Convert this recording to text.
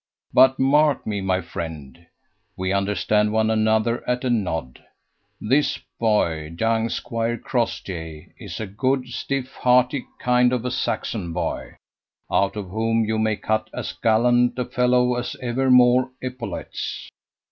But, mark me, my friend. We understand one another at a nod. This boy, young Squire Crossjay, is a good stiff hearty kind of a Saxon boy, out of whom you may cut as gallant a fellow as ever wore epaulettes.